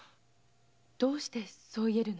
どうしてそう言えるの？